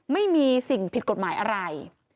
ไม่มีสิ่งผิดกฎหมายอะไร